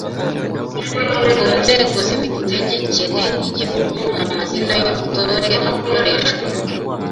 Ku nzego z’imitegekere y’Igihugu amazina y’ubutore akoreshwa